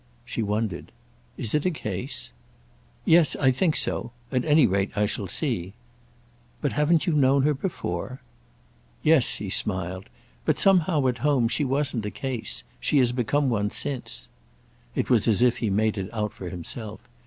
She wondered. "Is it a case?" "Yes—I think so. At any rate I shall see.' "But haven't you known her before?" "Yes," he smiled—"but somehow at home she wasn't a case. She has become one since." It was as if he made it out for himself.